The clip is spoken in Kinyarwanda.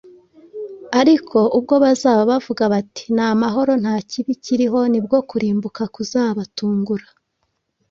Ariko « ubwo bazaba bavuga bati ‘Ni amahoro, nta kibi kiriho’ , ni bwo kurimbuka kuzabatungura.»